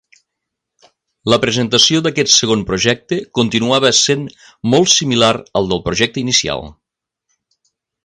La presentació d'aquest segon projecte continuava sent molt similar al del projecte inicial.